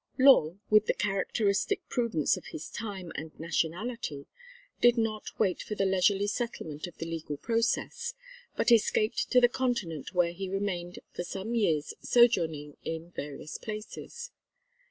Law, with the characteristic prudence of his time and nationality, did not wait for the leisurely settlement of the legal process, but escaped to the continent where he remained for some years sojourning in various places.